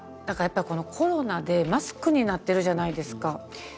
なんかやっぱりコロナでマスクになってるじゃないですか。